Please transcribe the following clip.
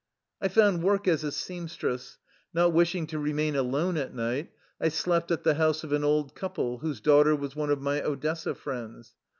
I found work as a seamstress. Not wishing to remain alone at night, I slept at the house of an old couple whose daughter was one of my Odessa friends.